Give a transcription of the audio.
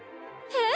えっ？